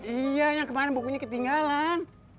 iya yang kemarin bukunya ketinggalan